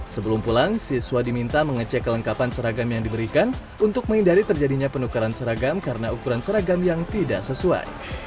sebelum pulang siswa diminta mengecek kelengkapan seragam yang diberikan untuk menghindari terjadinya penukaran seragam karena ukuran seragam yang tidak sesuai